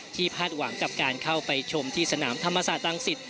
พาดหวังกับการเข้าไปชมที่สนามธรรมศาสตรังสิต